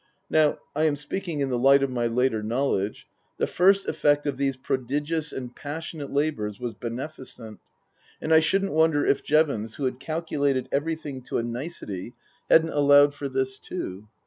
Now I am speaking in the light of my later knowledge the first effect of these prodigious and passionate labours was beneficent, and I shouldn't wonder if Jevons, who had calculated everything to a nicety, hadn't allowed for this too.